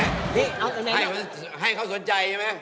นี่ให้เขาสนใจใช่ไหม